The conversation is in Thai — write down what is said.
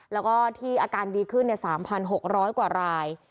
แล้วก็ที่อาการดีขึ้น๓๖๐๐กว่าราย